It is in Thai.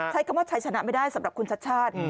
ใช้คำว่าใช้ชนะไม่ได้สำหรับคุณชัดชาติ